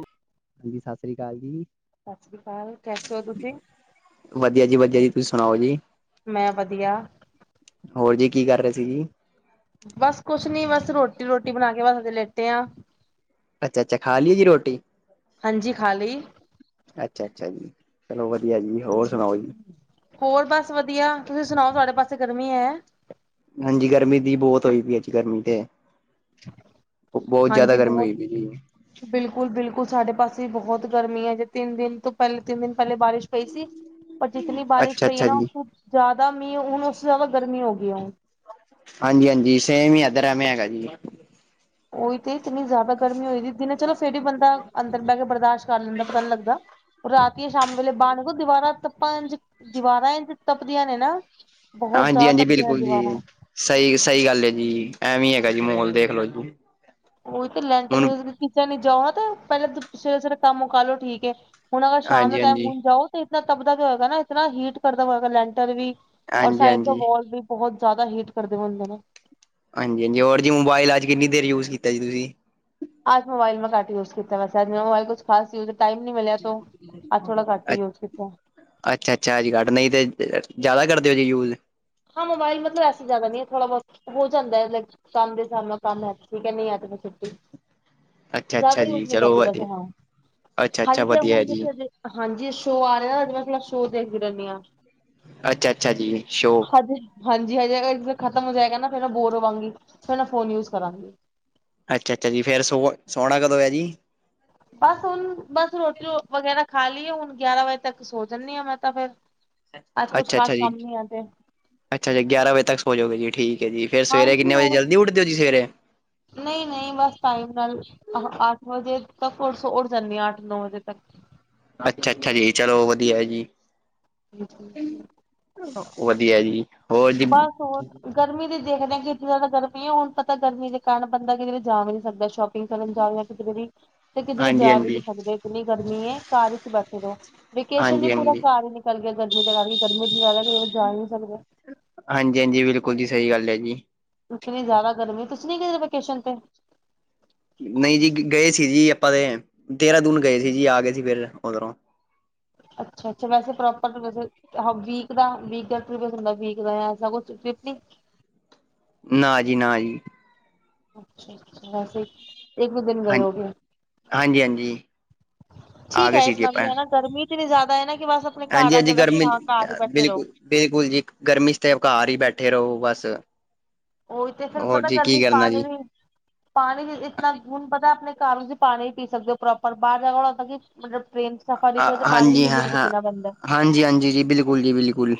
ਹਾਂਜੀ, ਸਤਿ ਸ੍ਰੀ ਅਕਾਲ ਜੀ। ਸਤਿ ਸ਼੍ਰੀ ਅਕਾਲ, ਕੈਸੇ ਔ ਤੁਸੀਂ? ਵਧੀਆ ਜੀ ਵਧੀਆ ਜੀ, ਤੁਸੀਂ ਸੁਣਾਓ ਜੀ? ਮੈਂ ਵਧੀਆ, ਹੋਰ ਜੀ ਕੀ ਕਰ ਰਹੇ ਸੀ ਜੀ? ਬਸ ਕੁਛ ਨੀ ਬਸ ਰੋਟੀ-ਰੋਟੀ ਬਣਾ ਕੇ ਬਜੇ ਲੇਟੇ ਆ। ਅੱਛਾ ਖਾ ਲਈਏ ਜੀ ਰੋਟੀ, ਹਾਂਜੀ ਖਾਲੀ, ਅੱਛਾ, ਅੱਛਾ, ਜੀ ਚਲੋ ਵਧੀਆ ਜੀ, ਹੋਰ ਸੁਣਾਓ ਜੀ? ਹੋਰ ਬਸ ਵਧੀਆ, ਤੁਸੀਂ ਸੁਣਾਓ? ਸਾਡੇ ਪਾਸੇ ਗਰਮੀ ਹੈ। ਹਾਂਜੀ ਗਰਮੀ ਦੀ ਬਹੁਤ ਹੋਈ ਪਈ ਹੈ ਜੀ। ਗਰਮੀ ਤੇ ਹੈ, ਬਹੁਤ ਜ਼ਿਆਦਾ ਗਰਮੀ ਹੋਈ ਪਈ ਸੀ। ਬਿਲਕੁਲ-ਬਿਲਕੁਲ ਸਾਡੇ ਪਾਸੇ ਬਹੁਤ ਗਰਮੀ ਐ, ਜੇ ਤਿੰਨ ਦਿਨ ਤੋਂ ਪਹਿਲੇ ਤਿੰਨ ਦਿਨ ਪਹਿਲੇ ਬਾਰਿਸ਼ ਪਈ ਸੀ। ਪਰ ਜਿਤਨੀ ਬਾਰਿਸ਼ ਅੱਛਾ ਪਈ ਐ ਅੱਛਾ ਨਾਂ, ਜੀ ਉਸ ਜ਼ਿਆਦਾ ਮੀਂਹ ਹੁਣ ਉਸ ਤੋਂ ਜ਼ਿਆਦਾ ਗਰਮੀ ਹੋ ਗਈ ਐ। ਹਾਂਜੀ, ਹਾਂਜੀ, ਸੇਮ ਹੀ ਇੱਧਰ ਐਵੇਂ ਹੈਗਾ ਜੀ। ਉਹੀ ਤੇ ਇਤਨੀ ਜ਼ਿਆਦਾ ਗਰਮੀ ਹੋਈ ਦੀ, ਦਿਨੇ ਚਲੋ ਫਿਰ ਹੀ ਬੰਦਾ ਅੰਦਰ ਬਹਿ ਕੇ ਬਰਦਾਸ਼ਤ ਕਰ ਲੈਂਦਾ, ਪਤਾ ਨੀ ਲੱਗਦਾ। ਰਾਤੀਆਂ ਸ਼ਾਮ ਵੇਲੇ ਬਾਹ ਨ ਕੋੋ ਦੀਵਾਰਾਂ ਤੱਪਾਂ ਇੰਚ ਦੀਵਾਰਾਂ ਇੰਝ ਤੱਪਦੀਆਂ ਨੇ ਨਾ, ਬਹੁਤ ਹਾਂਜੀ, ਜ਼ਿਆਦਾ ਹਾਂਜੀ ਤਪਦੀਆਂ ਨੇ ਬਿਲਕੁਲ ਜੀ। ਦੀਵਾਰਾਂ। ਸਹੀ, ਸਹੀ ਗੱਲ ਐ ਜੀ, ਐਵੇਂ ਹੈਗਾ ਜੀ ਮਾਹੋਲ ਦੇਖ ਲੋ ਜੀ। ਉਹੀ ਤੇ ਲੈਂਟਰ ਹੁਣ ਕਿਸੇ ਨੀਂ ਜਾ, [unintelligible] ਤੇ ਪਹਿਲਾਂ ਸਵੇਰੇ-ਸਵੇਰੇ ਕੰਮ ਉਕਾ ਲੋ ਤੇ ਠੀਕ ਐ। ਹੁਣ ਅਗਰ ਸ਼ਾਮ ਹਾਂਜੀ ਦੇ ਹਾਂਜੀ ਟਾਈਮ ਹਾਂਜੀ ਹੁਣ ਜਾਓ, ਤਾਂ ਇਤਨਾ ਤਬਦਾ ਹੋਏਗਾ ਨਾਂ, ਇਤਨਾ ਹੀਟ ਕਰਦਾ ਹੋਗਾ ਲੈਂਟਰ ਵੀ। ਔਰ ਸਾਈਡ ਤੋਂ ਹਾਂਜੀ ਵਾਲ ਵੀ ਬਹੁਤ ਜ਼ਿਆਦਾ ਹੀਟ ਕਰਦੇ ਹੋਣਗੇ ਨਾਂ। ਹਾਂਜੀ, ਹਾਂਜੀ ਜੀ ਮੋਬਾਇਲ ਅੱਜ ਕਿੰਨੀ ਦੇਰ ਯੂਜ ਕੀਤਾ ਜੀ ਤੁਸੀਂ ਅਜ ਮੋਬਾਈਲ ਘੱਟ ਯੂਸ ਕੀਤਾ ਵੈਸੇ ਮੇਰਾ ਮੋਬਾਈਲ ਕੁਛ ਖਾਸ ਯੂਜ ਟਾਈਮ ਨੀਂ ਮਿਲਿਆ ਤੋ ਅੱਜ ਥੋੜ੍ਹਾ ਘੱਟ ਯੂਜ ਕੀਤਾ। ਅੱਛਾ-ਅੱਛਾ ਏ ਜੇ ਘੱਟ ਨਹੀਂ ਤੇ ਜ਼ਿਆਦਾ ਕਰਦੇ ਓ ਜੇ ਯੂਜ ਹਾਂ ਮੋਬਾਈਲ ਮਤਲਬ ਏਸੇ ਜ਼ਿਆਦਾ ਨੀਂ ਥੋੜਾ ਬਹੁਤ ਹੋ ਜਾਂਦਾ ਲਾਇਕ ਕੰਮ ਦੇ ਹਿਸਾਬ ਨਾਲ ਕੰਮ ਹੈ ਠੀਕ ਹੈ, ਨਹੀਂ ਆਤ ਛੁੱਟੀ ਅੱਛਾ-ਅੱਛਾ ਜ਼ਿਆਦਾ ਜੀ ਯੂਜ ਨਹੀਂ ਚਲੋ ਕਰਦੀ ਵਧੀਆ ਵੈਸੇ ਹਾਂ। ਹਾਂ ਅੱਛਾ-ਅੱਛਾ ਜ ਵਧੀਆ ਹੁਣ ਜੀ ਹਾਂਜੀ ਸ਼ੋਅ ਆ ਰਿਹਾ, ਨਾਂ ਅੱਜ ਮੈਂ ਥੋੜ੍ਹਾ ਸ਼ੋਅ ਦੇਖਦੀ ਰਹਿੰਦੀ ਹਾਂ। ਅੱਛਾ-ਅੱਛਾ ਜੀ। ਸ਼ੋਅ ਹਾਜੀ-ਹਾਂਜੀ-ਹਾਜੀ ਖ਼ਤਮ ਹੋ ਜਾਏਗਾ ਨਾ, ਫਿਰ ਮੈਂ ਬੋਰ ਹੋਵਾਂਗੀ, ਫਿਰ ਮੈਂ ਫੋਨ ਯੂਜ ਕਰਾਂਗੀ। ਅੱਛਾ-ਅੱਛਾ ਜੀ, ਫੇਰ ਸੋ ਸੋਹਣਾ ਕਦੋਂ ਹੈ ਜੀ। ਬਸ ਹੁਣ ਬਸ ਰੋਟੀ ਵਗੈਰਾ ਖਾ ਲਈਏ, ਹੁਣ ਗਿਆਰਾਂ ਵਜੇ ਤੱਕ ਸੋ ਜਾਂਣੀ ਆਂ ਮੈਂ ਤਾਂ ਫੇਰ ਅੱਛਾ-ਅੱਛਾ ਜੀ, ਅੱਛਾ-ਅੱਛਾ, ਗਿਆਰਾਂ ਵਜੇ ਤੱਕ ਸੋ ਜੋਗੇ ਜੀ ਠੀਕ। ਜੀ ਫਿਰ ਸਵੇਰੇ ਕਿਨੇ ਵਜੇ ਜਲਦੀ ਉਠਦੇ ਹੋ ਜੀ ਸਵੇਰੇ ਨਈਂ, ਨਈ ਬਸ ਟਾਈਮ ਨਾਲ। ਆਹ ਅੱਠ ਵਜੇ ਤੱਕ ਉਠ ਜਾਂਦੀ ਹਾਂ, ਅੱਠ ਨੌਂ ਵਜੇ ਤੱਕ। ਅੱਛਾ-ਅੱਛਾ ਜੀ, ਚਲੋ ਵਧੀਆ ਜੀ। [inaudible] ਵਧੀਆ ਜੀ। ਹੋਰ ਜੀ ਬਸ ਉਹ ਗਰਮੀ ਦੇਖਦੇ, ਹਾਂ ਕਿ ਇੱਕ ਜ਼ਿਆਦਾ ਗਰਮੀ ਹੈ, ਹੁਣ ਪਤਾ ਗਰਮੀ ਦੇ ਕਾਰਨ ਬੰਦਾ ਕਿਤੇ ਜਾ ਵੀ ਨ੍ਹੀਂ ਸਕਦਾ ਸ਼ੋਪ ਕਰਨ ਜਾ ਕਿਧ ਤੇ ਕਿਧਰੇ ਜਾ ਵੀ ਹਾਂਜੀ-ਹਾਂਜੀ ਨੀਂ ਸਕਦੇ ਕਿੰਨੀ ਗਰਮੀ ਏ, ਘਰ ਵਿਚ ਬੈਠੇ ਰੋ ਵੇਕੇਸ਼ਨ ਵੀ ਪੂਰਾ ਹਾਂਜੀ-ਹਾਂਜੀ ਘਰ ਹੀ ਨਿਕਲ ਗਿਆ, ਗਰਮੀ ਦੇ ਕਰਕੇ ਗਰਮੀ ਜ਼ਿਆਦਾ ਜਾ ਹੀ ਨਹੀਂ ਸਕਦੇ। ਹਾਂਜੀ-ਹਾਂਜੀ ਬਿਲਕੁਲ ਜੀ, ਸਹੀ ਗੱਲ ਹੈ ਜੀ। ਇਤਨੀ ਜ਼ਿਆਦਾ ਗਰਮੀ ਤੁਸੀਂ ਨੀ ਕਿਧ ਵੈਕੇਸ਼ਨ ਤੇੇ ਨਈਂ ਜੀ, ਗਏ ਸੀ ਜੀ ਆਪਾਂ ਤੇ, ਦੇਰਾਾਂ ਦੂਨ ਗਏ ਸੀ ਜੀ, ਆ ਗਏ ਸੀ ਫਿਰ ਉਧਰੋਂ ਅੱਛਾ-ਅੱਛਾ ਵੈਸੇਪਰ ਵੈਸੇ ਆ ਵੀਕ ਦਾ ਵੀਕ ਦਾ ਹੁੰਦਾ ਵੀਕ ਦਾ ਕੁਛ [unintelligible] ਨਾਂ ਜੀ, ਨਾਂ ਜੀ। ਅੱਛਾ, ਅੱਛਾ ਵੈਸੇ ਇੱਕ ਵੀ ਦਿਨ ਗਏ ਹਾਂਜੀ ਹੋਗੇ ਹਾਂਜੀ-ਹਾਂਜੀ ਆ ਠੀਕ ਗਏ ਐ ਸੀ ਜੀ ਇਤਨਾ ਵੀ ਆਪਾਂ ਹੈ ਨਾਂ ਗਰਮੀ ਇਤਨੀ ਜ਼ਿਆਦਾ ਨਾਂ ਕਿ ਬਸ ਆਪਣੇ ਘਰ ਦਾ ਹਾਂਜੀ-ਹਾਂਜੀ ਕਹਿੰਦਾ ਕਿ ਗਰਮੀ ਹਾਂ ਘਰ ਹੀ ਬੈਠੇ ਰਹੋ। ਬਿਲਕੁਲ ਬਿਲਕੁਲ ਜੀ, ਗਰਮੀ ਤੇ ਘਾਰ ਹੀ ਬੈਠੇ ਰਹੋ ਬਸ ਉਹੀ ਤੇ ਫਿਰ ਹੋਰ ਪਤਾ ਜੀ ਕੀ ਗਰਮੀ ਸਾ ਕਰਨਾ ਨੇ ਜੀ ਵੀ ਪਾਣੀ ਇਤਨਾ ਹੁਣ ਪਤਾ ਆਪਣੇ ਘਰ ਪਾਣੀ ਵੀ ਪੀ ਸਕਦੇ ਹੋ ਪ੍ਰੋਪਰ, ਬਾਹਰ ਜਾ ਕੇ ਮਤਲਬ ਟਰੇਨ ਚ ਪਾਣੀ ਵੀ ਹਾਂਜੀ ਹਾਂ ਲਿਮਿਟ ਚ ਹਾਂ ਪੀਣਾ ਪੈਂਦਾ ਹਾਂਜੀ, ਹਾਂਜੀ ਜੀ, ਬਿਲਕੁਲ ਜੀ, ਬਿਲਕੁਲ।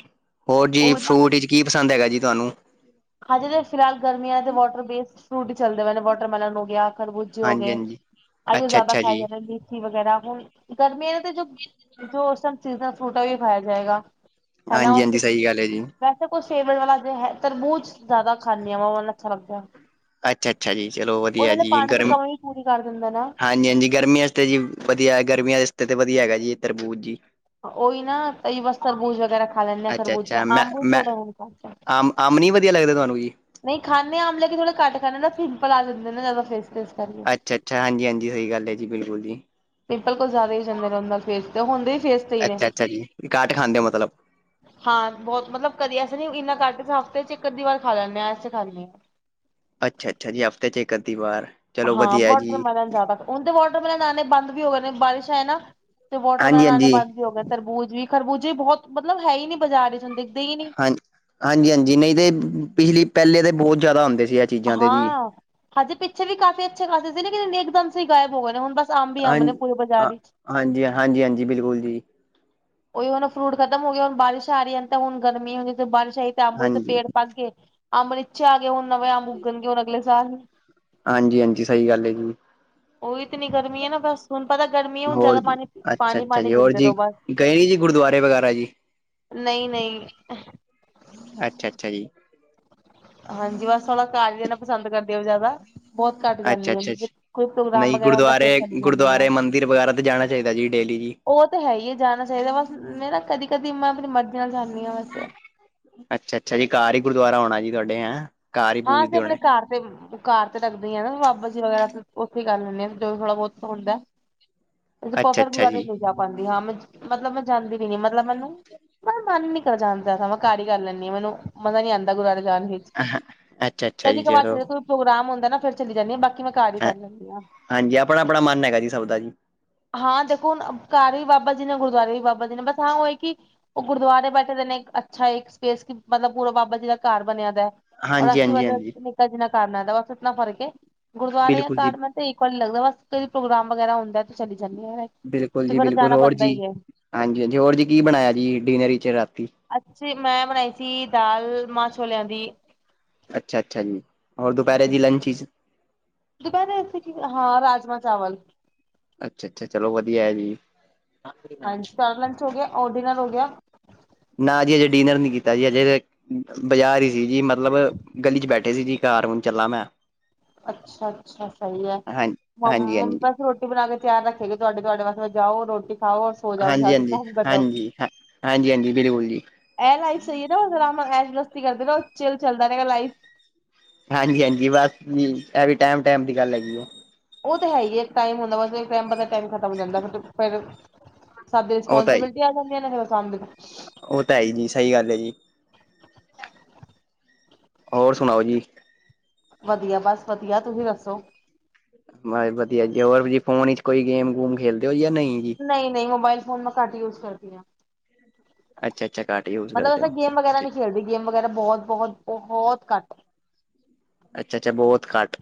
ਹੋਰ ਜੀ ਉਹੀ ਨਾ ਫਰੂਟ ਵਿੱਚ ਕੀ ਪਸੰਦ ਹੈਗਾ ਜੀ ਤੁਹਾਨੂੰ ਹਾਂਜੀ ਤੇ ਫਿਲਹਾਲ ਗਰਮੀਆਂ ਤੇ ਵਾਟਰ ਬੇਸਡ ਫਰੂਟ ਹੀ ਚੱਲਦੇ ਏ ਨੇ ਵਾਟਰਮੈਲਨ ਹੋ ਗਿਆ ਖਰਬੂਜੇ ਹੋ ਗਏ। ਹਾਂਜੀ-ਹਾਂਜੀ ਆਈਓ ਜ਼ਿਆਦਾ ਖਾਈ [unintelligible] ਜੀ। ਮੋਸੰਮੀ ਵਗੈਰਾ ਗਰਮੀ ਨਾ ਤੇ ਜੋ [unintelligible] ਵੀ ਖਾਇਆ ਜਾਏਗਾ। ਹਨਾ ਹਾਂਜੀ-ਹਾਂਜੀ ਸਹੀ ਗੱਲ ਹੈ ਜੀ ਵੈਸੇ ਕੁਛ ਫੇਟ ਵਾਲਾ ਜੇ ਤਰਬੂਜ ਜ਼ਿਆਦਾ ਹਾਂਜੀ ਉਹ ਵਾਲਾ ਅੱਛਾ ਲੱਗਦਾ। ਅੱਛਾ -ਅੱਛਾ ਜੀ ਚਲੋ ਵਧੀਆ ਉਹਨਾਂ ਨੇ ਜੀ ਪਾਣੀ ਦੀ ਗਰਮ, ਕਮੀ ਵੀ ਪੂਰੀ ਕਰ ਦਿੰਦਾ ਨਾ ਹਾਂ। ਹਾਂਜੀ, ਹਾਂਜੀ ਗਰਮੀਆਂ ਤੇ ਜੀ, ਵਧੀਆ ਗਰਮੀਆਂ ਆਸਤੇ ਤੇ ਵਧੀਆ ਹੈਗਾ ਜੀ ਇ ਤਰਬੂਜ ਜੀ। ਉਹੀ ਨਾ ਤਾਂ ਬਸ ਤਰਬੂਜ਼ ਵਗੈਰਾ ਖਾ ਲੈਂਦੇ ਆਂ ਖਰਬੂਜ ਅੱਛਾ-ਅੱਛਾ ਅੰਬ ਮੈਂ ਅੰਬੂ ਮੈਂ ਥੋੜਾ ਹੁਣ ਘੱਟ ਐ। ਅੰਬ ਅੰਬ ਨਹੀਂ ਵਧੀਆ ਲੱਗਦੇ ਤੁਹਾਨੂੰ ਕੀ ਨਹੀਂ ਖਾਂਦੇ ਅੰਬ ਥੋੜਾ ਘੱਟ ਖਾਂਦੇ ਤਾਂ ਪਿੰਪਲ ਆ ਜਾਂਦੇ ਨੇ ਜ਼ਿਆਦਾ ਫੇਸ- ਫੇਸ ਕਰਕੇ ਅੱਛਾ- ਅੱਛਾ ਹਾਂਜੀ ਜੀ ਹਾਂਜੀ ਸਹੀ ਗੱਲ ਜੀ ਬਿਲਕੁਲ ਜੀ। ਪਿੰਪਲ ਕੁਛ ਜ਼ਿਆਦਾ ਹੀ ਜਾਂਦੇ ਰਹਿੰਦਾ ਫੇਸ ਤੇ ਹੁੰਦੇ ਐ। ਅੱਛਾ -ਅੱਛਾ ਜੀ, ਘੱਟ ਖਾਂਦੇ ਹੋ ਮਤਲਬ ਹਾਂ ਬਹੁਤ ਮਤਲਬ ਕਦੇ ਅਸੇ ਨੀ ਇੰਨਾ ਘੱਟ ਹਫ਼ਤੇ 'ਚ ਇੱਕ ਅਧੀ ਵਾਰ ਖਾ ਲੈਂਦੇ ਹਾਂ ਐਸੀ ਗੱਲ ਨਹੀਂ। ਅੱਛਾ- ਅੱਛਾ ਜੀ ਹਫ਼ਤੇ 'ਚ ਇੱਕ ਅੱਧੀ ਵਾਰ ਚਲੋ ਹਾਂ ਵਧੀਆ ਜੀ, ਵਾਟਰਮੈਲਨ ਜ਼ਿਆਦਾ, ਹੁਣ ਤੇ ਵਾਟਰਮੈਲਨ ਆਉਣੇ ਬੰਦ ਵੀ ਹੋ ਗਏ ਨੇ ਬਾਰਿਸ਼ ਹੈ ਨਾ। ਤੇ ਵਾਟਰਮੈਲਨ ਆਉਣੇ ਹਾਂਜੀ-ਹਾਂਜੀ, ਬੰਦ ਵੀ ਹੋ ਗਏ ਤਰਬੂਜ ਵੀ ਖਰਬੂਜੇ ਵੀ ਬਹੁਤ ਮਤਲਬ ਹੈ ਹੀ ਨੀ ਬਾਜ਼ਾਰ ਹੁਣ ਦੇ ਹਾਂਜੀ- ਹਾਂਜੀ -ਹਾਂਜੀ ਨਹੀਂ ਤੇ ਪਿਛਲੀ ਪਹਿਲੇ ਤਾਂ ਬਹੁਤ ਜ਼ਿਆਦਾ ਹੁੰਦੇ ਸੀ ਅ ਹਾਂ ਹਜੇ ਪਿੱਛੇ ਵੀ ਕਾਫ਼ੀ ਅੱਛੇ ਖਾਸੇ ਸੀ ਲੇਕਿਨ ਇਕ ਦਮ ਸਹੀ ਗਾਇਬ ਹੋ ਗਏ ਨੇ ਹੁਣ ਬਸ ਅੰਬ ਈ ਹਾਂ ਅੰਬ ਣੇ ਪੂਰੇ ਹਾਂ ਬਾਜ਼ਾਰ ਚ ਹਾਂਜੀ -ਹਾਂਜੀ- ਹਾਂਜੀ ਬਿਲਕੁਲ ਜੀ। ਉਹੀ ਹੁਣ ਫਰੂਟ ਖਤਮ ਹੋ ਗਿਆ ਹੁਣ ਬਾਰਸ਼ ਆ ਰਹੀ ਹੈ ਤਾਂ ਹੁਣ ਗਰਮੀਆਂ ਦੀ ਤੇ ਬਾਰਿਸ਼ ਆਈ। ਤੇ ਅੰਬ ਤੇ ਹਾਂਜੀ, ਪੇੜ ਪੱਕ ਗਏ ਅੰਬ ਇੱਛੇ ਆਣ ਗਏ ਹੁਣ ਨਵੇਂ ਅੰਬ ਉੱਗਣਗੇ ਹੁਣ ਅਗਲੇ ਸਾਲ ਹਾਂਜੀ- ਹਾਂਜੀ ਸਹੀ ਗੱਲ ਹੈ ਜੀ। ਉਹੀ ਇਤਨੀ ਗਰਮੀ ਹੈ ਨਾ ਬਸ ਤੁਹਾਨੂੰ ਪਤਾ ਗਰਮੀ ਹੁਣ ਹੋਰ ਜ਼ਿਆਦਾ ਜੀ, ਪਾਣੀ, ਅੱਛਾ-ਅੱਛਾ ਪਾਣੀ ਜੀ, ਹੋਰ ਪੀਂਦੇ ਰਹੋ ਜੀ ਬਸ ਗਏ ਨੀ ਜੀ ਗੁਰਦੁਆਰੇ ਵਗੈਰਾ ਜੀ? ਨਹੀਂ -ਨਹੀਂ ਅੱਛਾ- ਅੱਛਾ ਜੀ। ਹਾਂਜੀ ਬਸ [unintelligible] ਦੇਣਾ ਪਸੰਦ ਕਰਦੇ ਹੋ ਜ਼ਿਆਦਾ [unintelligible] ਘੱਟ ਅੱਛਾ ਜਾਂਦੀ ਆ -ਅੱਛਾ ਕੋਈ ਅੱ ਪ੍ਰੋਗਰਾਮ ਨਹੀਂ ਵਗੈਰਾ ਹੁੰਦਾ ਫਿਰ ਚਲੀ ਗੁਰਦੁਆਰੇ- ਜਾਂਦੀ ਗੁਰਦੁਆਰੇ ਆ। ਮੰਦਿਰ ਵਗੈਰਾ ਤੇ ਜਾਣਾ ਚਾਹੀਦਾ ਜੀ ਡੇਲੀ ਜੀ। ਉਹ ਤਾਂ ਹੈ ਹੀ ਹੈ ਜਾਣਾ ਚਾਹੀਦਾ ਬਸ ਮੈਂ ਨਾ ਕਦੀ- ਕਦੀ ਮੈਂ ਆਪਣੀ ਮਰਜ਼ੀ ਨਾਲ ਜਾਂਦੀ ਹਾਂ ਵੈਸੇ ਅੱਛਾ -ਅੱਛਾ ਜੀ ਘਰ ਹੀ ਗੁਰਦੁਆਰਾ ਹੋਣਾ ਜੀ ਤੁਹਾਡੇ ਹੈਂ। ਘਰ ਹੀ ਹਾਂ ਅਸੀਂ ਪੂਜਦੇ ਆਪਣੇ ਹੋਣੇ ਘਰ ਤੇ ਘਰ ਤੇ ਰਖਦੇ ਹੀ ਆ ਨਾ ਬਾਬਾ ਜੀ ਵਗੈਰਾ ਉੱਥੇ ਹੀ ਕਰ ਲੈਂਦੀ ਆ ਜੋ ਵੀ ਥੋੜਾ ਬਹੁਤ ਹੁੰਦਾ। [unintelligible] ਅੱਛਾ-ਅੱਛਾ ਜੀ। ਨਹੀਂ ਜਾ ਪਾਉਂਦੀ ਹਾਂ ਮੈਂ ਮਤਲਬ ਮੈਂ ਜਾਂਦੀ ਵੀ ਨ ਮਤਲਬ ਮੈਨੂੰ ਮੈਂ ਮਨ ਨੀ ਕਰ ਜਾਂਣਦਾ ਮੈਂ ਘਰ ਕਰ ਲੈਂਦੀ ਹਾਂ ਮੈਨੂੰ ਮਜ਼ਾ ਨੀ ਆਉਂਦਾ ਗੁਰਦੁਆਰੇ ਜਾਣ ਵਿਚ [unintelligible] [unintelligible] ਕਦੀ ਕ ਵਾਰ ਚਲੋ 'ਚ ਕੋਈ ਪ੍ਰੋਗਰਾਮ ਹੁੰਦਾ ਨਾ ਫਿਰ ਚੱਲ ਜਾਂਦੀ ਹਾਂ ਬਾਕੀ ਮੈਂ ਘਰ ਹੀ ਕਰ ਲੈਂਦੀ ਹਾਂ। ਹਾਂਜੀ ਆਪਣਾ- ਆਪਣਾ ਮਨ ਹੈਗਾ ਜੀ ਸਭ ਦਾ ਜੀ। ਹਾਂ ਦੇਖੋ ਹੁਣ ਘਰ ਵੀ ਬਾਬਾ ਜੀ ਨੇ ਗੁਰਦੁਆਰੇ ਵੀ ਬਾਬਾ ਜੀ ਨੇ ਬਸ ਹਾਂ ਉਹ ਹੈ ਕਿ ਉਹ ਗੁਰਦੁਆਰੇ ਬੈਠੇ ਦੇ ਨੇ ਅੱਛਾ ਇੱਕ ਸਪੇਸ ਮਤਲਬ ਪੂਰਾ ਬਾਬਾ ਜੀ ਦਾ ਘਰ ਬਣਿਆ ਦਾ ਹੈ। ਔਰ ਅਸੀਂ ਹਾਂਜੀ-ਹਾਂਜੀ, ਹਾਂਜੀ ਮਤਲਬ ਹਾਂਜੀ, ਨਿੱਕਾ ਜਿੰਨਾ ਕਾਰਨਾ ਆਂਦਾ ਬਸ ਇਤਨਾ ਫਰਕ ਹੈ ਗੁਰਦੁਆਰੇ ਜਾਂ ਬਿਲਕੁਲ ਕਾਰ ਜੀ ਮ ਤੇ ਇੱਕ ਵਾਰੀ ਲੱਗਦਾ ਬਸ ਕਈ ਪ੍ਰੋਗਰਾਮ ਵਗੈਰਾ ਹੁੰਦਾ ਤੇ ਚਲੀ ਜਾਂਦੀ ਹਾਂ। ਬਿਲਕੁਲ ਜੀ ਬਿਲਕੁਲ ਹੋਰ ਜੀ, ਹਾਂਜੀ -ਹਾਂਜੀ ਹੋਰ ਜੀ ਕੀ ਬਣਾਇਆ ਜੀ ਡਿਨਰ ਵਿਚ ਰਾਤੀ ਅੱਛੇ ਮੈਂ ਬਣਾਈ ਸੀ ਦਾਲ ਮਾਂ ਛੋਲਿਆਂ ਦੀ। ਅੱਛਾ ਅੱਛਾ ਜੀ ਹੋ ਦੁਪਹਿਰ ਜੀ ਲੰਚ [unintelligible] ਦੁਪਹਿਰੇ ਅਸੀ ਕਿ ਹਾਂ ਰਾਜਮਾ ਚਾਵਲ ਅੱਛਾ ਅੱਛਾ, ਚਲੋ ਵਧੀਆ ਹੈ ਜੀ। ਹਾਂਜੀ ਤੁਹਾਡਾ ਲੰਚ ਹੋ ਗਿਆ ਔਰ ਡਿਨਰ ਹੋ ਗਿਆ। ਨਾ ਜੀ ਅਜੇ ਡਿਨਰ ਨੀ ਕੀਤਾ ਜੀ ਅਜੇ ਬਾਜ਼ਾਰ ਹੀ ਸੀ ਜੀ ਮਤਲਬ ਗਲੀ ਚ ਬੈਠੇ ਸੀ ਜੀ ਘਰ ਹੁਣ ਚੱਲਾਂ ਮੈਂ ਅੱਛਾ- ਅੱਛਾ ਸਹੀ ਹੈ। ਹਾਂ ਹਾਂਜੀ-ਹਾਂਜੀ, [unintelligible] ਰੋਟੀ ਬਣਾ ਕੇ ਤਿਆਰ ਰੱਖੇਗੀ ਤੁਡੇ- ਤੁਹਾਡੇ ਵਾਸਤੇ ਜਾਓ ਰੋਟੀ ਖਾਓ। ਸੋ ਜਾਓ ਜਾ ਹਾਂਜੀ- ਕੇ ਹਾਂਜੀ- ਕੰਮ ਖਤਮ ਹਾਂਜੀ ਆ। ਹਾਂਜੀ -ਹਾਂਜੀ ਬਿਲਕੁਲ ਜੀ। ਇਹ ਲਾਈਫ ਸਹੀ ਹੈ ਨਾਰਾ ਐਸਤੀ ਕਰਦੇ ਰ ਚੇਲ ਚੱਲਦਾ ਰਹੇਗਾ ਲਾਈਫ। ਹਾਂਜੀ-ਹਾਂਜੀ ਬਸ ਵੀ, ਇਹ ਵੀ ਟਾਇਮ ਟਾਇਮ ਦੀ ਗੱਲ ਹੈਗੀ ਆ। ਉਹ ਤਾਂ ਹੈ ਹੀ ਟਾਈਮ ਹੁੰਦਾ ਟਮ- ਟਮ ਖਤਮ ਹੋ ਜਾਂਦਾ। ਫ ਫਿਰ ਸਾਡੀ ਉਹ ਤਾਂ ਹੈ ਰਿਸਪੋਂਸੀਬਿਲਿਟੀ ਆ ਜਾਂਦੀ ਨਾ ਕੰਮ ਉਹ ਤਾਂ ਹੈ ਜੀ ਸਹੀ ਗੱਲ ਹੈ ਜੀ। ਹੋਰ ਸੁਣਾਓ ਜੀ। ਵਧੀਆ, ਬਸ ਵਧੀਆ। ਤੁਸੀਂ ਦੱਸੋ? ਬਸ ਵਧੀਆ ਜੀ। ਹੋਰ ਜੀ ਫੋਨ ਵਿਚ ਚ' ਕੋਈ ਗੇਮ- ਗੂਮ ਖੇਲਦੇ ਹੋ ਜਾਂ ਨਹੀਂ ਜੀ। ਨਹੀਂ -ਨਹੀਂ ਮੋਬਾਈਲ ਫੋਨ ਮੈਂ ਘਟ ਯੂਜ ਕਰਦੀ ਹਾਂ। ਅੱਛਾ-ਅੱਛਾ ਘੱਟ ਯੂਜ ਮਤਲਬ ਕਰਦੇ ਅਸੀਂ ਹੋ ਗੇਮ ਵਗੈਰਾ ਨਹੀਂ ਖੇਡਦੇ। ਗੇਮ ਵਗੈਰਾ ਬਹੁਤ- ਬਹੁਤ- ਬਹੁਤ ਘੱਟ। ਅੱਛਾ- ਅੱਛਾ, ਬਹੁਤ ਘੱਟ।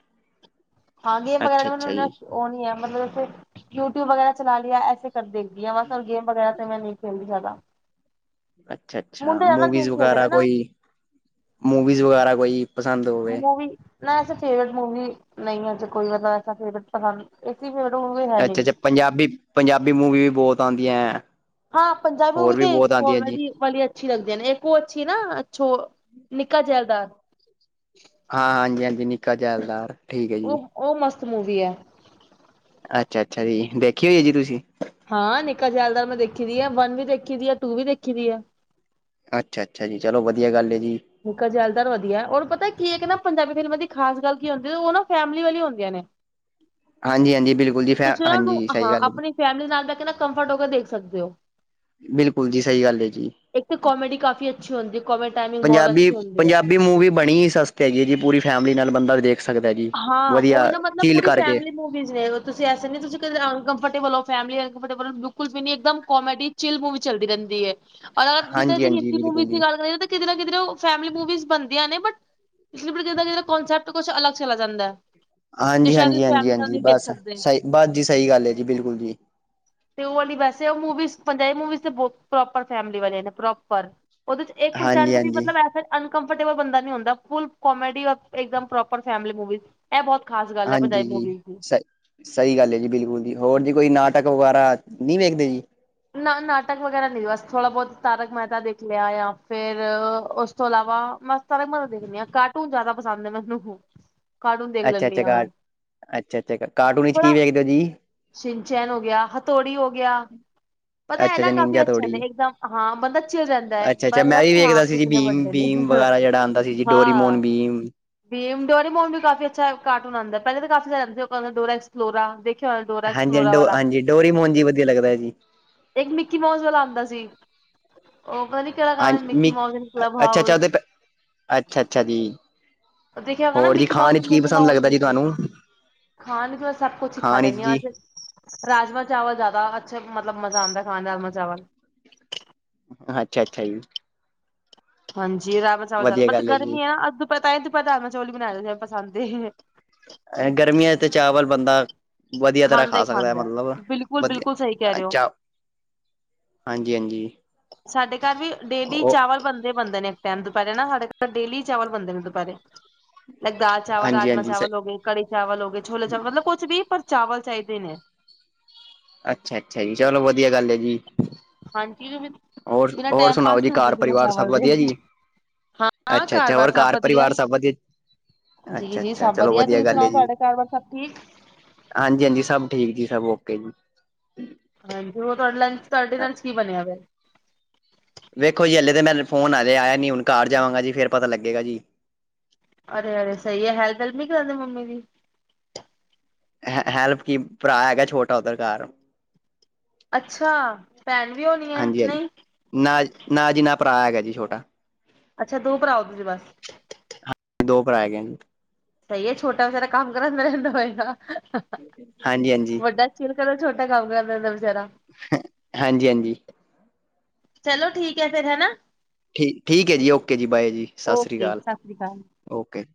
ਹਾਂ, ਗੇਮ ਵਗੈਰਾ ਮੈਨੂੰ ਅੱਛਾ-ਅੱਛਾ ਜੀ। ਇੰ ਉਹ ਨ ਨਹੀਂ ਹੈ। ਮਤਲਬ ਉ ਯੂਟਿਊਬ ਵਗੈਰਾ ਚਲਾ ਲਿਆ ਐੇ। ਦੇਖਦੀ ਬਸ। ਹੁਣ ਗੇਮ ਵਗੈਰਾ ਤੇ ਮੈਂ ਨਹੀਂ ਖੇਲਦੀ ਸਕਦਾ। ਅੱਛਾ- ਅੱਛਾ ਮੂਵੀਜ਼ ਗੇਮ ਖੇਲਦੇ ਨੇ ਵਗੈਰਾ ਨਾ ਕੋਈ, ਮੂਵੀਜ਼ ਵਗੈਰਾ ਕੋਈ ਪਸੰਦ ਹੋਵੇ। ਮੂਵੀ ਨਾ ਐਸੇ ਫੇਵਰੇਟ ਮੂਵੀ, ਨਹੀਂ ਹੈੇ ਕੋਈ ਮਤਲਬ ਫੇਵ ਪਸੰਦ ਐ ਫੇਰੇਟ ਮੂਵੀ ਹੈ ਨਹੀਂ। ਪੰਜਾਬੀ- ਪੰਜਾਬੀ ਮੂਵੀ ਵੀ ਬਹੁਤ ਆਉਂਦੀਆਂ ਹੈ। ਹਾਂ ਪੰਜਾਬੀ ਮੂਵੀ ਹੋਰ ਵੀ ਤੇ ਬਹੁਤ ਆਉਂਦੀਆਂ ਜੀ। ਕੋਮੇਡੀ। ਵਾਲੀ ਅੱਛੀ ਲੱਗਦੀ ਨੇ। ਇੱਕ ਉਹ ਅੱਛੀ ਨਾ ਅੱਛੋ ਨਿੱਕਾ ਜੈਲਦਾਰ। ਹਾਂ, ਹਾਂਜੀ- ਹਾਂਜੀ ਨਿੱਕਾ ਜੈਲਦਾਰ ਠੀਕ ਹੈ ਜੀ। ਉਹ ਉਹ ਮਸਤ ਮੂਵੀ ਹੈ। ਅੱਛਾ- ਅੱਛਾ ਜੀ, ਦੇਖੀ ਹੋਈਏ ਜੀ ਤੁਸੀਂ? ਹਾਂ। ਨਿੱਕਾ ਜਿਆਲਦਾਰ ਮੈਂ ਦੇਖੀ ਦੀ ਆ ਵੰਨ ਵੀ ਦੇਖੀ ਦੀ ਹੈ ਟੂ ਵੀ ਦੇਖੀ ਦੀ ਹੈ। ਅੱਛਾ -ਅੱਛਾ ਜੀ। ਚਲੋ ਵਧੀਆ ਗੱਲ ਜੀ। ਨਿਕਲ ਜੈਲਦਾਰ ਵਧੀਆ। ਰ ਪਤਾ ਕੀ ਹੈ ਨਾ ਪੰਜਾਬੀ ਫਿਲਮਾਂ ਦੀ ਖਾਸ ਗੱਲ ਕੀ ਹੁੰਦੀ। ਉਹ ਨਾ ਫੈਮਿਲੀ ਵਾਲੀ ਹੁੰਦੀਆਂ ਨੇ। ਹਾਂਜੀ- ਹਾਂਜੀ, ਬਿਲਕੁਲ ਜੀ ਫ ਤੁਸੀਂ ਉਹਨਾਂ ਨੂੰ ਹਾਂਜੀ। ਸਹੀ ਹਾਂ ਗੱਲ ਜੀ। ਆਪਣੀ ਫੈਮਿਲੀ ਨਾਲ ਤਾਂ ਨਾ ਕੰਫਰਟ ਹੋ ਗਿਆ ਦੇਖ ਸਕਦੇ ਹੋ। ਬਿਲਕੁਲ ਜੀ ਸਹੀ ਗੱਲ ਏ ਜੀ। ਇੱਕ ਤਾਂ ਕੋਮੇਡੀ ਕਾਫੀ ਅੱਛੀ ਹੁੰਦੀ। ਕੋਮੇਡੀ ਟਾਈਮਿੰਗ ਬਹੁਤ ਅੱਛੀ ਹੁੰਦੀ ਆ। ਵੀ ਮੂਵੀ ਬਣੀ ਸਸਤ ਹੈਗੀ ਜੀ। ਪੂਰੀ ਫੈਮਲੀ ਨਾਲ ਬੰਦਾ ਦੇਖ ਸਕਦਾ ਜੀ। ਵਧੀਆ ਚੀਲ ਕਰਕੇ ਮੁਵੀਜ਼ ਨੇ ਤੁਸੀਂਸੇ ਨੀ ਤੁਸੀਂ ਕਦੇ ਅਨਕੰਫਰਟੇਬਲ ਹੋ ਫੈਮਲੀ ਅਨਕਫਰੇਬਲ ਹੋ ਬਿਲਕੁਲ ਵੀ ਨੀ ਇੱਕਦਮ ਕੋੇਡੀ। ਚੀਲ ਮੂਵੀ ਚੱਲਦੀ ਰਹਿੰਦੀ ਹੈ। ਔਰਗਰ ਜਿੱਥੇ ਅਸੀਂ ਹਾਂਜੀ-ਹਾਂਜੀ ਹਿੰਦੀ ਬਿਲਕੁਲ ਮੂਵੀਜ਼ ਦੀ ਜੀ। ਗੱਲ ਕਰੀਏ। ਕਿ ਨਾ ਕਿ ਫੈਮਲੀ ਮੁਵੀ ਬਣਦੀਆਂ ਨੇ ਬਟ ਕਿਤੇ ਨਾੋਂਸਪਟ ਕੁਝ ਚਲਾ ਜਾਂਦਾ। ਜੋ ਹਾਂਜੀ- ਸ਼ਾਇਦ ਹਾਂਜੀ- ਹਾਂਜੀ ਫੈਮਿਲੀ ਨਾਲ -ਹਾਂਜੀ ਨਹੀਂ ਦੇਖ ਬਸ ਸਕਦੇ। ਸਹੀ ਬਸ ਜੀ। ਸਹੀ ਗੱਲ ਹੈ ਜੀ ਬਿਲਕੁਲ ਜੀ। ਤੇ ਉਹ ਵਾਲੀ ਵੈਸੇ ਉਹਪੰਜਾਬੀ ਮਵੀਵੋਪ ਫੈ ਵਾਲੇ ਨੇ ਪ੍ਰੋਪਰ ਉਹ ਦੇ ਇਕ ਪਰਸੇੰਟ ਵੀ ਹਾਂਜੀ-ਹਾਂਜੀ, ਬੰਦਾ ਹਾਂਜੀ ਅਨਕਫਟੇਬਲ ਨਹੀਂ ਹੰਦਾ। ਫੋਲ ਕੋਮੇਡੀ ਔਰ ਇਕ ਦਮ ਪਰੋਪਰ। Family movies. ਇਹ ਬਹੁਤ ਖਾਸ ਗੱਲ ਹੈ ਭਜਾਈ ਹਾਂਜੀ ਜੀ ਮੂਵੀਜ਼ ਦੀ। ਸਹੀ ਸਹੀ ਗੱਲ ਹੈ ਜੀ। ਬਿਲਕੁਲ ਜੀ, ਹੋਰ ਜੀ ਕੋਈ ਨਾਟਕ ਵਗੈਰਾ ਨਹੀਂ ਵੇਖਦੇ ਜੀ। ਨਾ ਨਾਟਕ ਵਗੈਰਾ ਨਹੀਂ। ਬਸ ਥੋੜਾ ਬਹੁਤ ਤਾਰਕ ਮਹਿਤਾ ਦੇਖ ਲਿਆ ਜਾਂ ਫੇਰ ਉਸ ਤੋਂ ਇਲਾਵਾ, ਬਸ ਸਾਰਕ ਮਹਿਤਾ ਤਾਂ ਦੇਖਦੇ ਹਾਂ। ਕਾਰਟਨ ਜਿਆਦਾ ਪਸੰਦ ਮੈਨੂੰ ਹਾ। [inaudible] ਕਾਟੂਨ ਦੇਖ ਲੈਂਦੀ ਅੱਛਾ-ਅੱਛਾ ਹਾਂ ਕਾ ਬਸ। ਅੱਛਾ-ਅੱਛਾ ਕਾਰਟੂਨ ਵਿੱਚ ਕੀ ਥੋੜਾ ਵੇਖਦੇ ਹੋ ਜੀ? ਸਿੰਵਨਚੈਨ ਹੋ ਗਿਆ, ਹਥੋੜੀ ਹੋ ਗਿਆ। ਹ [inaudible] ਪਤਾ ਇਹ ਨਾ ਕਾਫੀ ਅੱਛੇ ਨੇ, ਇੱਕਦਮ ਹਾਂ। ਬੰਦਾ ਚਿਰ ਰਹਿੰਦਾ ਹੈ। ਅੱਛਾ-ਅੱਛਾ ਮੈਂ ਮਦਾ ਵੀ ਕਿ ਹਾਂ ਵੇਖਦਾ ਸੀ ਜੀ ਇਤਨੇ ਬੀਮ ਵੱਡੇ ਨੇ ਬੀਮ ਵਗੈਰਾ ਜਿਹੜਾ ਆਉਂਦਾ ਸੀ। ਜ ਡੋਰੀਮੋਨ, ਬੀਮ ਵੀ ਡੋਰੀ ਮੋਨਮ ਵੀ ਕਾਫੀ ਅੱਛਾ ਕਾਰਟੂਨ ਆਉਂਦਾ। ਪਹਿਲੇ ਤਾਂ ਕਾੀਿਆਦਾ ਸੀ ਡੋ ਐਕਸਲੋਰਾ ਦੇਖ ਹਾਂਜੀ- ਹਾਂਜੀ ਡੋ ਹਾਂਜੀ। ਡੋਰੀ ਮੋਨ ਜੀ ਵਧੀਆ ਲੱਗਦਾ ਹੈ ਜੀ। ਇੱਕ ਮਿੱਕੀ ਮਾਸ ਵਾਲਾ ਆਉਂਦਾ ਸੀ। ਉਹ ਕਹਦੀ ਕਿਹੜਾ ਗਾਣਾ ਹਾਂਜੀ ਮਿੱਕੀ ਮਸ ਕਲੱਬ ਹਾਊਸ। ਅੱਛਾ- ਅੱਛਾ ਜੀ। ਦੇਖਿਆ ਹੋਗਾ ਨਾ ਹੋਰ ਜੀ, ਮਿੱਕੀ ਖਾਣ ਮਾਊਸ ਵਿੱਚ ਕੀ ਮਿਨੀ ਪਸੰਦ ਮਾਊਸ ਲੱਗਦਾ ਜੀ ਮਿਊਜ਼ਿਕ। ਤੁਹਾਨੂੰ। ਖਾਣ ਕਿ ਮੈਂ ਸਭ ਕੁਛ ਹੀ ਖਾ ਖਾਣ ਵਿੱਚ ਲੈਂਦੀ ਹਾਂ। ਜੀ ਸੇ ਰਾਜਮਾਂ -ਚਾਵਲ ਜ਼ਿਆਦਾ ਅੱਛਾ। ਮਤਲਬ ਮਜ਼ਾ ਆਉਦਾ ਖਾਣ ਰਾਜਮਾਂ- ਚਾਵਲ। ਅੱਛਾ- ਅੱਛਾ ਜੀ। ਹਾਂਜੀ। ਰਾਜਮਾ- ਚਾਵਲ ਜ਼ਿਆਦਾ। ਵਧੀਆ ਬਟ ਗੱਲ ਜੀ ਗਰਮੀ ਹੈ ਨਾ ਅ ਤਾਂ ਰਾਜਮਾ- ਚੌਲ ਵੀ ਬਣਾਏ ਹੋ ਪਸੰ ਏ। ਗਰਮੀਆਂ ਤੇ ਚਾਵਲ ਬਣਦਾ। ਵਧੀਆ ਤਰ੍ਹਾਂ ਖਾਂਦਾ ਖਾ ਹੀ ਸਕਦਾ। ਖਾਂਦਾ ਮਤਲਬ ਬਿਲਕੁਲ ਬਿਲਕੁਲ ਸਹੀ ਵਧੀਆ ਕਹਿ ਰਹੇ ਹੋ ਚਾ ਹਾਂਜੀ -ਹਾਂਜੀ। ਸਾਡੇ ਘਰ ਵੀ ਡੇਲੀ ਚਾਵਲ ਬਣਦਾ। ਬਣਦੇ ਨੇ, ਇੱਕ ਟਾਈਮ ਦੁਪਹਿਰੇ ਨਾ ਸਾਡੇ ਘਰ ਡੇਲੀ ਚਾਵਲ ਬਣਦੇ ਨੇ ਦੁਪਹਿਰੇ। ਲਾਈਕ ਦਾਲ- ਚਾਵਲ, ਰਾਜਮਾਂ ਹਾਂਜੀ-ਹਾਂਜੀ ਸ ਚਾਵਲ ਹੋ ਗਏ ਕੜੀ -ਚਾਵਲ ਹੋ ਗਏ, ਛੋਲੇ -ਚਾਵਲ ਮਤਲਬ ਕੁਛ ਵੀ ਪਰ ਚਾਵਲ ਚਾਹੀਦੇ ਨੇ। ਅੱਛਾ- ਅੱਛਾ ਜੀ, ਚਲੋ ਵਧੀਆ ਗੱਲ ਹੈ ਜੀ। ਹਾਂਜੀ। ਹੋਰ ਬਿਨਾਂ ਹੋਰ ਟੈਮ ਸੁਣਾਓ ਪਾਸ ਜੀ ਨਹੀਂ ਹੁੰਦਾ ਘਰ ਬਿਨਾਂ ਪਰਿਵਾਰ ਸਭ ਚਾਵਲ ਦੇ। ਵਧੀਆ ਜੀ ਹਾਂ। ਘਰ ਅੱਛਾ-ਅੱਛਾ ਬਾਰ ਹੋਰ ਸਭ ਵਧੀਆ। ਪਰਿਵਾਰ ਸਭ ਵਧੀਆ ਜੀ ਜੀ ਅੱਛਾ-ਅੱਛਾ ਸਭ ਚਲੋ ਵਧੀਆ। ਤੁਸੀਂ ਸੁਣਾਓ ਤੁਹਾਡੇ ਘਰ ਵਾਰ ਸਭ ਠੀਕ? ਹਾਂਜੀ- ਹਾਂਜੀ ਸਭ ਠੀਕ ਜੀ ਸਭ, ਓਕੇ ਜੀ। ਹਾਂਜੀ। ਉਹ ਤੁਹਾਡੇ ਲੰਚ ਤੁਹਾ ਡਿਨਰ ਚ ਕੀ ਬਣਿਆ ਫ? ਵੇਖੋ ਜੀ, ਹਲੇ ਤਾਂ ਮੈਂ ਫੋਨ ਆਵਾ ਆਆ ਨੀ। ਹੁਣ ਘਰ ਜਾਵਾਂਗਾ ਜੀ ਫੇਰ ਪਤਾ ਲੱਗੇਗਾ ਜੀ। ਅਰੇ- ਅਰੇ ਸਹੀ ਹੈਲਮ -ਹਲ ਨੀ ਕਰਾਉਂਦੇ ਮੰਮੀ ਦੀ। ਹੈਲਪ ਕੀ ਭਰਾ ਹੈਗਾ ਛੋਟਾ ਉਧਰ ਘਰ। ਅੱਛਾ! ਭੈਣ ਵੀ ਹੋਣੀ ਹੈ ਹਾਂਜੀ-ਹਾਂਜੀ ਨਹੀਂ। ਨਾ ਨਾ ਜੀ ਨਾ ਭਰਾ ਹੈਗਾ ਜੀ ਛੋਟਾ। ਅੱਛਾ। ਦੋ ਭਰਾਓ ਤੁਸੀਂ ਬਸ। ਹਾਂ। ਦੋ ਭਰਾ ਹੈ ਗਏ। ਤਾਂ ਇਹ ਛੋਟਾ ਵਿਚਾਰਾ ਕੰਮ ਕਰਾ ਮ ਰਹਿੰਦਾ ਹੋਏਗਾ। ਹਾਂਜੀ- ਹਾਂਜੀ। ਵੱਡਾ ਚਰ ਕਰਦਾ ਛੋਟਾ ਕੰਮ ਕਰਦਾਦਾ ਵਿਚਾਰਾ। ਹਾਂਜੀ- ਹਾਂਜੀ। ਚਲੋ, ਠੀਕ ਹੈ ਫੇਰ ਹੈ। ਠੀ ਠੀਕ ਹੈ ਜੀ, ਓਕੇ ਜੀ, ਬਾਏ ਜੀ, ਸਤਿ ਸ਼੍ਰੀ ਓਕੇ ਅਕਾਲ। ਸਤਿ ਸ੍ਰੀ ਅਕਾਲ। ਓਕੇ,